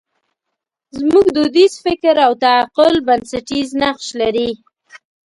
زموږ دودیز فکر او تعقل بنسټیز نقش لري.